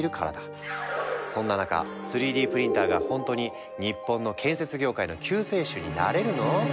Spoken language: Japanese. そんな中３Ｄプリンターがほんとに日本の建設業界の救世主になれるの？